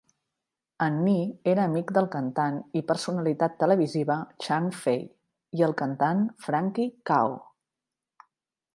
En Ni era amic del cantant i personalitat televisiva Chang Fei i el cantant Frankie Kao.